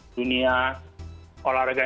dunia olahraga internasional